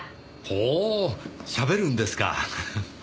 ほうしゃべるんですか！